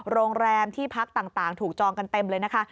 โรงแรมที่พักต่างถูกจองกันเต็มเลยนะคะ